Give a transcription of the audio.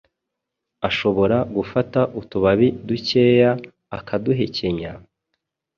ashobora gufata utubabi dukeya akaduhekenya,